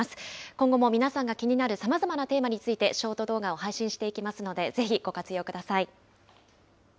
今後も皆さんが気になるさまざまなテーマについて、ショート動画を配信していきますので、ぜひご活用ください。